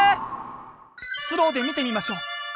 スローで見てみましょう。